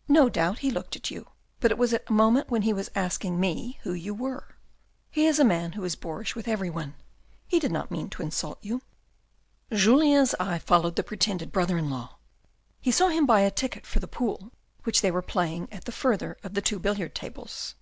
" No doubt he looked at you, but it was at a moment when he was asking me who you were. He is a man who is boorish with everyone. He did not mean to insult you." Julien's eye followed the pretended brother in law. He saw him buy a ticket for the pool, which they were playing at the further of the two billiard tables.